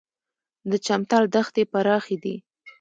د چمتال دښتې پراخې دي